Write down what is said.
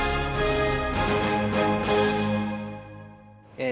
え